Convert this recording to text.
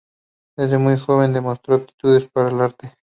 Desde muy joven demostró aptitudes para el arte.